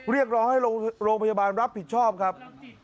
เรียกร้องให้โรงพยาบาลรับผิดชอบครับ